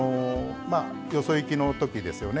よそいきのときですよね。